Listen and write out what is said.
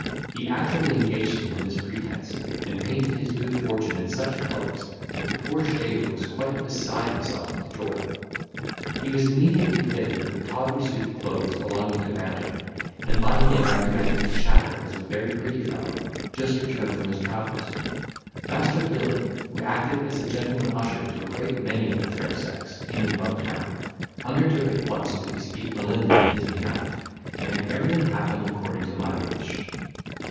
He actually engaged him on this pretence, and painted his good fortune in such colours that the poor shaver was quite beside himself with joy. He was immediately fitted with a tawdry suit of clothes belonging to Banter, and by him recommended to Chatter as a very pretty fellow, just returned from his travels. Master Billy, who acted as a gentleman usher to a great many of the fair sex in and about town, undertook at once to bespeak Melinda in his behalf; and everything happened according to my wish.